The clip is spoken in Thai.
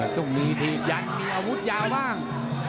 ต้องมีอาวุธยาวบ้าง